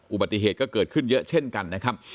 อุบัติเหตุก็เกิดขึ้นเยอะเช่นกันนะครับ